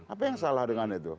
apa yang salah dengan itu